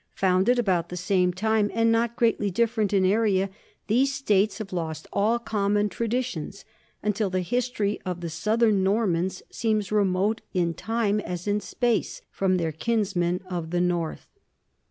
Founded about the same time and not greatly different in area, these states have lost all common traditions, until the history of the southern Normans seems remote, in time as in space, from their kinsmen of the north.